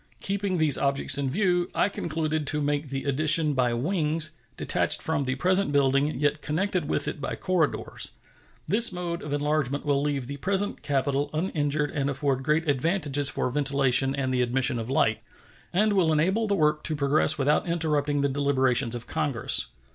Keeping these objects in view, I concluded to make the addition by wings, detached from the present building, yet connected with it by corridors. This mode of enlargement will leave the present Capitol uninjured and afford great advantages for ventilation and the admission of light, and will enable the work to progress without interrupting the deliberations of Congress.